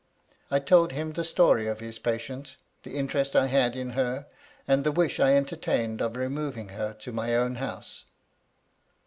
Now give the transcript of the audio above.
^I told him the story of his patient, the interest I had in her, and the wish I entertained of removing her to my own house.